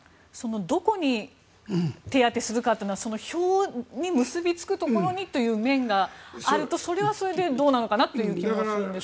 どこに手当するかっていうのは票に結びつくところにという面があるとそれはそれでどうなのかなという気がするんですが。